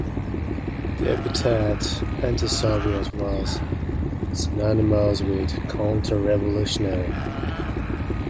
The epithet "antisoviet" was synonymous with "counter-revolutionary".